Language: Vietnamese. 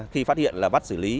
khi phát hiện là bắt xử lý